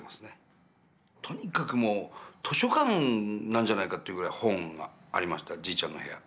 とにかくもう図書館なんじゃないかというぐらい本がありましたじいちゃんの部屋。